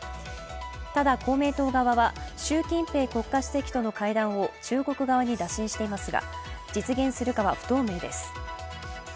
ただ公明党側は習近平国家主席との会談を中国側に打診していますが、実現するかは不透明です。